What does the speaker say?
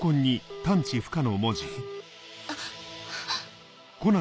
あっ。